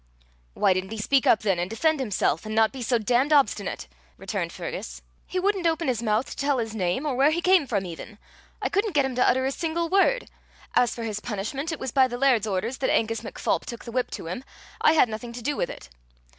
"Why didn't he speak up then, and defend himself, and not be so damned obstinate?" returned Fergus. "He wouldn't open his mouth to tell his name, or where he came from even. I couldn't get him to utter a single word. As for his punishment, it was by the laird's orders that Angus MacPholp took the whip to him. I had nothing to do with it.